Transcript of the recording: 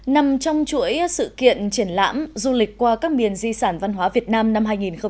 nằm trong chuỗi sự kiện triển lãm du lịch qua các miền di sản văn hóa việt nam năm hai nghìn một mươi chín